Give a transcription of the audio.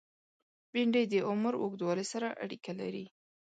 بېنډۍ د عمر اوږدوالی سره اړیکه لري